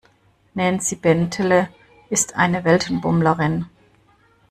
Nancy Bentele ist eine Weltenbummlerin.